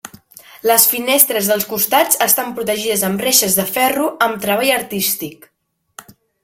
Les finestres dels costats estan protegides amb reixes de ferro amb treball artístic.